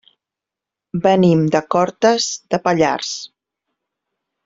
Venim de Cortes de Pallars.